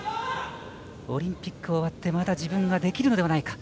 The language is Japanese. オリンピック終わってまだ自分ができるのではないか。